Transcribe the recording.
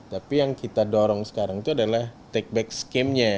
tapi yang kita dorong sekarang itu adalah take back scam nya